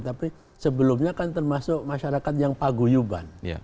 tapi sebelumnya kan termasuk masyarakat yang paguyuban